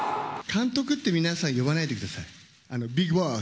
監督って皆さん、呼ばないでください。